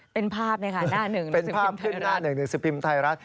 เป็นภาพหน้าหนึ่งสิบพิมพ์ไทยรัฐ